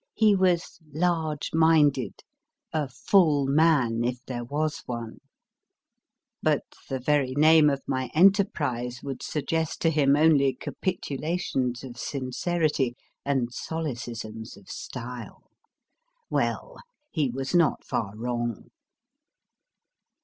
He was large minded ; a full man, if there was one ; but the very name of my enterprise would suggest to him only capitulations of sincerity and solecisms of style. Well ! he was not far wrong.